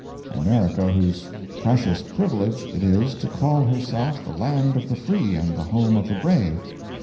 America, whose precious privilege it is to call herself the Land of the Free and the Home of the Brave.